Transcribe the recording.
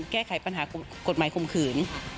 แก้ไขปัญหากศ์กรรมขึ้น